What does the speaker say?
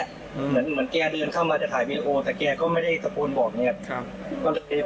ก็เหมือนแกเดินเข้ามาจะถ่ายวีดีโอแต่แกก็ไม่ได้พูดให้บอกเลยนะครับ